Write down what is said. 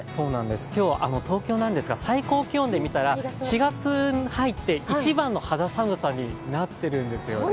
今日は東京なんですが、最高気温で見たら４月に入って一番の肌寒さになっているんですよ。